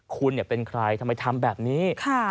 คุณเป็นใครทำไมทำแบบนี้